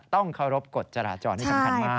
ต้องเคารพกฎจราจรอย่างจำกัดมาก๕๗๙๐๐๙